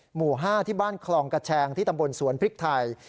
หมู่๕ที่บ้านคลองกระแชงที่ตำบลสวนพริกไทย